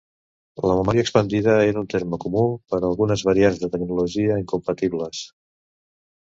La memòria expandida era un terme comú per a algunes variants de tecnologia incompatibles.